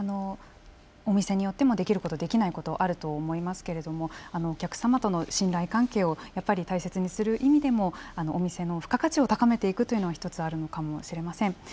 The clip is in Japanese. お店によってもできることできないことあると思いますけどお客様との信頼関係を大切にする意味でもお店の付加価値を高めていくということはあるのかもしれません。